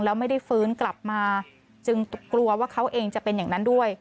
แล้วไม่ได้ฟื้นกลับมาจึงกลัวว่าเขาเองจะเป็นอย่างนั้นด้วย